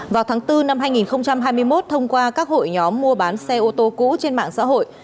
vào tháng bốn năm hai nghìn hai mươi một thông qua các hội nhóm mua bán xe ô tô cũ trên mạng xã hội